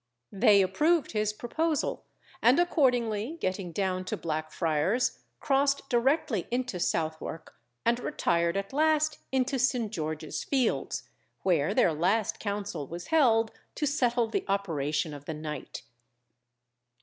They approved his proposal, and accordingly getting down to Blackfriars, crossed directly into Southwark; and retired at last into St. George's Fields, where their last counsel was held to settle the operation of the night.